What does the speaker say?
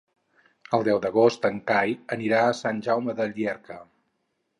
El deu d'agost en Cai anirà a Sant Jaume de Llierca.